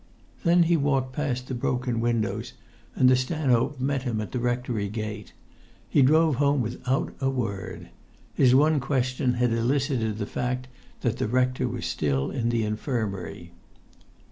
Then he walked past the broken windows, and the stanhope met him at the rectory gate. He drove home without a word. His one question had elicited the fact that the rector was still in the infirmary.